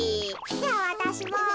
じゃあわたしも。